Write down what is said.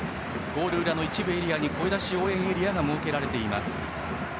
ゴール裏の一部エリアに声出し応援エリアが設けられています。